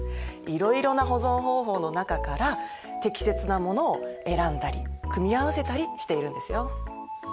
いろいろな保存方法の中から適切なものを選んだり組み合わせたりしているんですよ。